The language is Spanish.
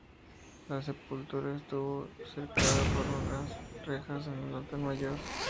La sepultura estuvo cercada por unas rejas en el altar mayor.